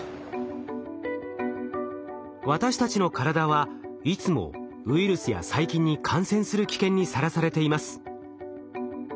私たちの体はいつもウイルスや細菌に感染する危険にさらされています。